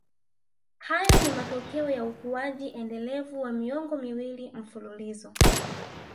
Hayo ni matokeo ya ukuaji endelevu wa miongo miwili mfululizo